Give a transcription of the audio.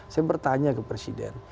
saya bertanya ke presiden